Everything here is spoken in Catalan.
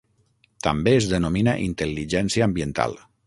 També es denomina intel·ligència ambiental.